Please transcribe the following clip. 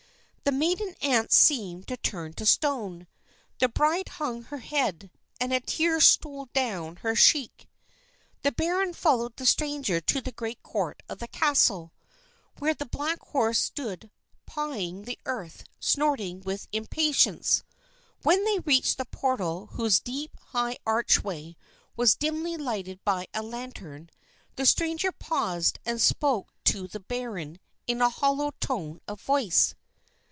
The maiden aunts seemed turned to stone. The bride hung her head, and a tear stole down her cheek. The baron followed the stranger to the great court of the castle, where the black horse stood pawing the earth and snorting with impatience. When they reached the portal whose deep, high archway was dimly lighted by a lantern, the stranger paused and spoke to the baron in a hollow tone of voice.